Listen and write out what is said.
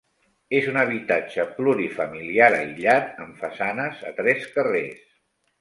És un habitatge plurifamiliar aïllat, amb façanes a tres carrers.